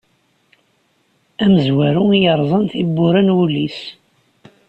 Amezwaru i yerẓan tiwwura n wul-is.